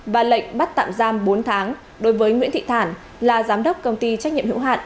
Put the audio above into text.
và lệnh bắt tạm giam bốn tháng đối với nguyễn thị thản là giám đốc công ty trách nhiệm hữu hạn